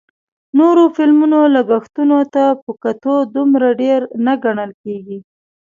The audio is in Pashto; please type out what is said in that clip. نورو فلمونو لګښتونو ته په کتو دومره ډېر نه ګڼل کېږي